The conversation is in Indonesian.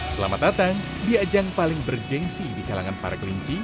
selamat datang di ajang paling bergensi di kalangan para kelinci